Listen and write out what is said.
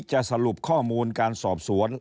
สรุปข้อมูลการสอบสวน